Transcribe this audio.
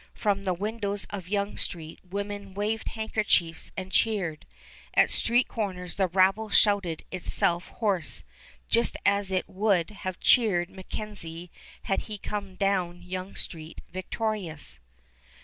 From the windows of Yonge Street women waved handkerchiefs and cheered. At street corners the rabble shouted itself hoarse, just as it would have cheered MacKenzie had he come down Yonge Street victorious.